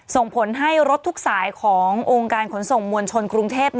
ส่งผลให้รถทุกสายขององค์การขนส่งมวลชนกรุงเทพ